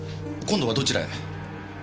今度はどちらへ？